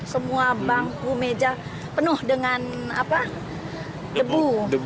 semua bangku meja penuh dengan debu